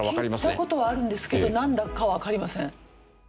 聞いた事はあるんですけどなんだかわかりません。